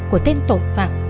của tên tội phạm